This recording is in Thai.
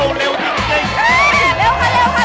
โอ้วเร็วมาก